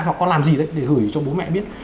hoặc con làm gì đấy để gửi cho bố mẹ biết